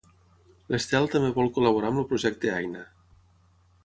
L'Estel també vol col·laborar amb el projecte Aina